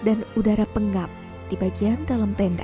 dan udara pengap di bagian dalam tenda